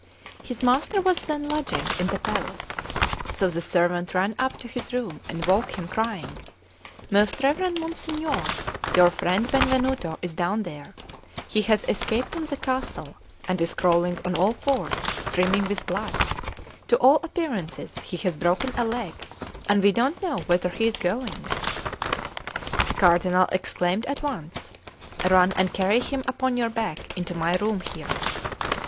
His master was then lodging in the palace; so the servant ran up to his room and woke him, crying: "Most reverend Monsignor, your friend Benvenuto is down there; he has escaped from the castle, and is crawling on all fours, streaming with blood; to all appearances he has broken a leg, and we don't know whether he is going." The Cardinal exclaimed at once: "Run and carry him upon your back into my room here."